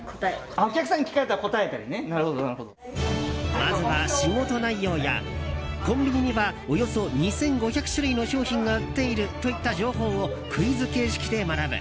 まずは仕事内容やコンビニにはおよそ２５００種類の商品が売っているといった情報をクイズ形式で学ぶ。